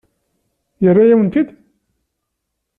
Yerra-yawen-tent-id?